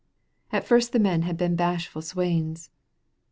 At first the men had been bashful swains.